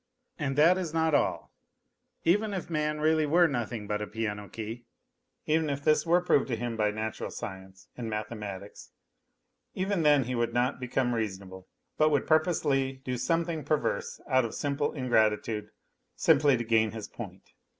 And that is not all : even if man really were nothing but a piano key, even if this were proved to him by natural science and mathe matics, even then he would not become reasonable, but would purposely do something perverse out of simple ingratitude, simply to gain his point.